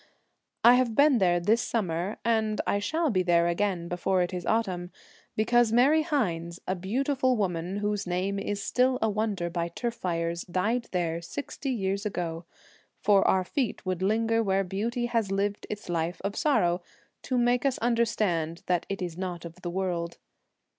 I have been there this summer, and I shall 35 The be there again before it is autumn, because Twilight. Mary Hynes, a beautiful woman whose name is still a wonder by turf fires, died there sixty years ago ; for our feet would linger where beauty has lived its life of sorrow to make us understand that it is not of the world.